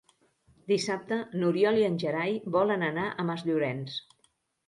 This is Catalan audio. Dissabte n'Oriol i en Gerai volen anar a Masllorenç.